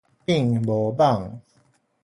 變無蠓